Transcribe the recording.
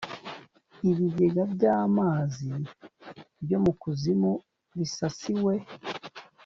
ibigega by amazi byo mu kuzimu bisasiwe